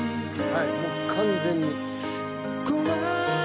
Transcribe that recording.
はいもう完全に。